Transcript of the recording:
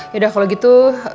yaudah kalau gitu